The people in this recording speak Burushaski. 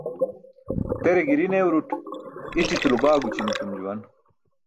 Tere giri neuruṭ ićitulo baagući̇n etum juwan.